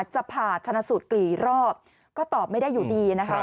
จะผ่าชนะสูตรกี่รอบก็ตอบไม่ได้อยู่ดีนะคะ